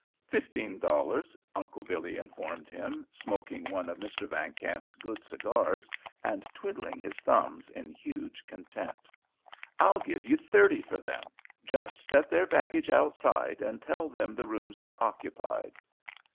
"Fifteen dollars," Uncle Billy informed him, smoking one of Mr. Van Kamp's good cigars and twiddling his thumbs in huge content. "I'll give you thirty for them. Just set their baggage outside and tell them the rooms are occupied."